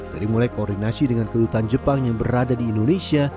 dari mulai koordinasi dengan kedutaan jepang yang berada di indonesia